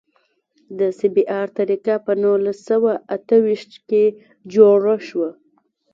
د سی بي ار طریقه په نولس سوه اته ویشت کې جوړه شوه